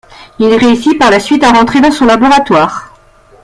Il réussit par la suite à rentrer dans son laboratoire.